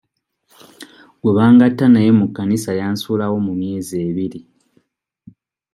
Gwe bangatta naye mu kkanisa yansuulawo mu myezi ebiri.